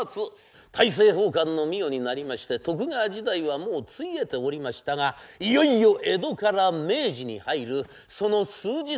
大政奉還の御代になりまして徳川時代はもうついえておりましたがいよいよ江戸から明治に入るその数日間のお物語。